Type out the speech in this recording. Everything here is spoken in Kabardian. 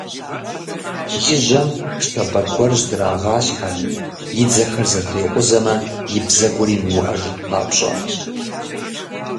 И жьэм щабэ гуэр жьэдрагъалъхьэрт, и дзэхэр зэтрикъузэмэ, и бзэгур имыуӏэжын папщӏэ.